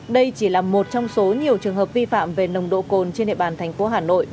đây chỉ là một trong số nhiều trường hợp vi phạm về nồng độ cồn trên địa bàn thành phố hà nội